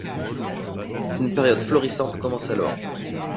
Une période florissante commence alors.